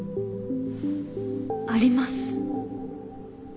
あります。